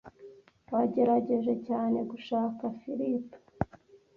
Wagerageje cyane gushaka Philip ?